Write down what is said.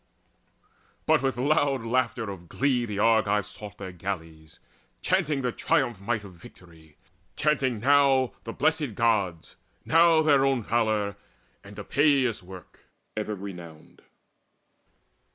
But with loud laughter of glee the Argives sought Their galleys, chanting the triumphant might Of victory, chanting now the Blessed Gods, Now their own valour, and Epeius' work Ever renowned.